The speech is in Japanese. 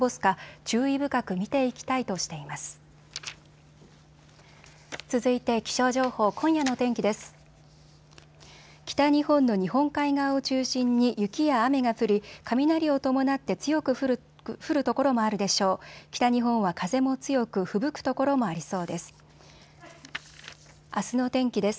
北日本は風も強くふぶく所もありそうです。